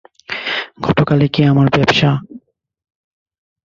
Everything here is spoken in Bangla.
ঘটকালি কি আমার ব্যাবসা।